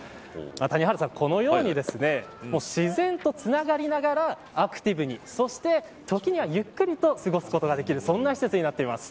谷原さん、このように自然とつながりながらアクティブに、そして時にはゆっくりと過ごすことができるそんな施設になっています。